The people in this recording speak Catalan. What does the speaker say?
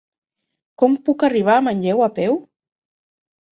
Com puc arribar a Manlleu a peu?